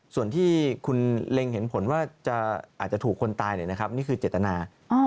ส่วนที่คุณเล็งเห็นผลว่าอาจจะถูกคนตายนี่คือเจตนา